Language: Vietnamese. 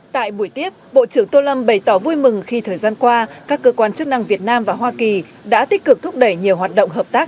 tại buổi tiếp bộ trưởng tô lâm bày tỏ vui mừng khi thời gian qua các cơ quan chức năng việt nam và hoa kỳ đã tích cực thúc đẩy nhiều hoạt động hợp tác